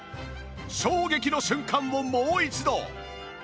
衝撃の瞬間をもう一度！